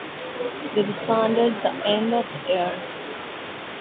They disbanded by the end of that year.